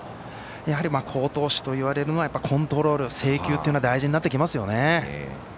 やはり好投手といわれるのはコントロール制球というのは大事になってきますね。